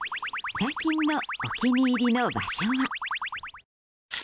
最近のお気に入りの場所は。